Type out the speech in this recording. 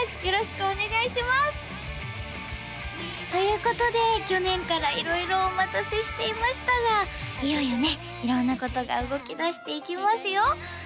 よろしくお願いします！ということで去年から色々お待たせしていましたがいよいよね色んなことが動きだしていきますよ